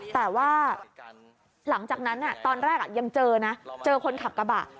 แต่ว่าหลังจากนั้นตอนแรกยังเจอนะเจอคนขับกระบะ